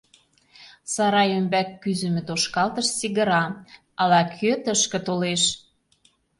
Сарай ӱмбак кӱзымӧ тошкалтыш сигыра, ала-кӧ тышке толеш.